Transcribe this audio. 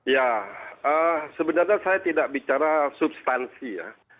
ya sebenarnya saya tidak bicara substansi ya